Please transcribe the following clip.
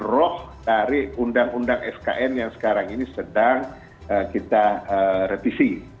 roh dari undang undang skn yang sekarang ini sedang kita revisi